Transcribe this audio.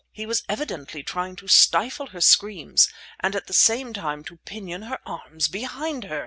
He was evidently trying to stifle her screams and at the same time to pinion her arms behind her!